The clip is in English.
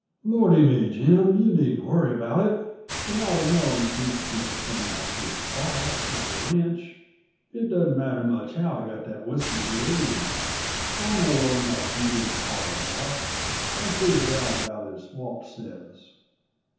"Lordy me! Jim, you needn't worry about it; you ought to know you can't keep a thing like this quiet, on a ranch. It doesn't matter much how he got that whisky here, either; I know well enough you didn't haul it out. I'd figured it out about as Walt says.